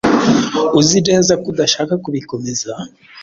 Uzi neza ko udashaka kubikomeza?